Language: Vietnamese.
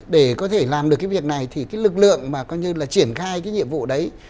để có thể làm được cái việc này thì cái lực lượng mà coi như là triển khai cái nhiệm vụ đấy